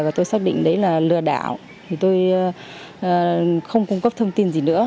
và tôi xác định đấy là lừa đảo thì tôi không cung cấp thông tin gì nữa